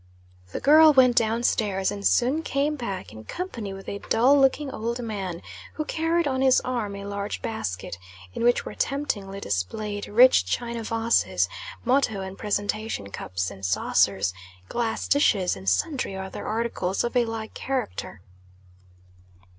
The girl went down stairs, and soon came back in company with a dull looking old man, who carried on his arm a large basket, in which were temptingly displayed rich china vases, motto and presentation cups and saucers, glass dishes, and sundry other articles of a like character.